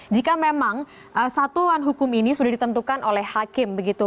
jika memang satuan hukum ini sudah ditentukan oleh hakim begitu